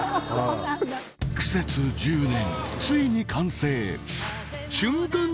苦節１０年ついに完成！